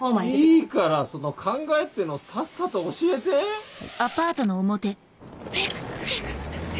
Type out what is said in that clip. いいからその考えってのをさっさと教えて？早く早く！